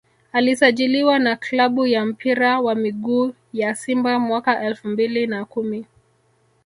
Alisajiliwa na klabu ya mpira wa miguu ya Simba mwaka elfu mbili na kumi